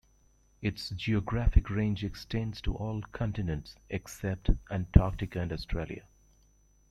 Its geographic range extends to all continents except Antarctica and Australia.